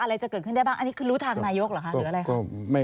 อะไรจะเกิดขึ้นได้บ้างอันนี้คือรู้ทางนายกเหรอคะ